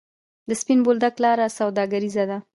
د سپین بولدک لاره سوداګریزه ده